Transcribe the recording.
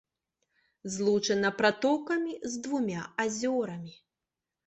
Злучана пратокамі з двума азёрамі.